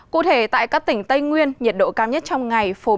cụ thể tại các tỉnh tây nguyên nhiệt độ cao nhất trong hai ngày tới là hai năm độ